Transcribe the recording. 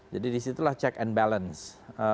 jadi disitulah check and balance